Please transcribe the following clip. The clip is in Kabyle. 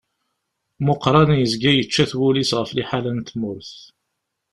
Muqran yezga yečča-t wul-is ɣef liḥala n tmurt.